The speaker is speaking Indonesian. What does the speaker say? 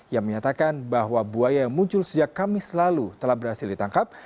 yang menyatakan bahwa buaya yang muncul sejak kamis lalu telah berhasil ditangkap